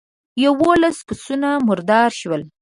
يوولس پسونه مردار شول.